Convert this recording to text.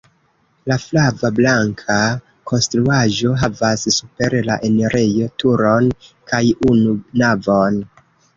La flava-blanka konstruaĵo havas super la enirejo turon kaj unu navon.